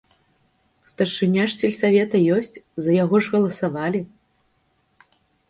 Старшыня ж сельсавета ёсць, за яго ж галасавалі!